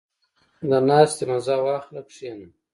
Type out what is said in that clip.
• د ناستې مزه واخله، کښېنه.